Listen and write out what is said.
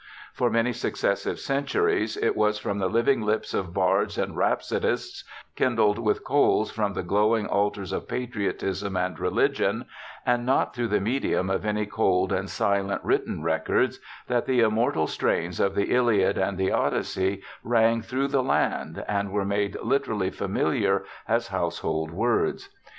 For many successive centuries, it was from the living lips of bards and rhapsodists, kindled with coals from the glowing altars of patriotism and religion, — and not through the medium of any cold and silent written records, that the immortal strains of the Iliad and the Odyssey rang through the land, and were made literally familiar as household words.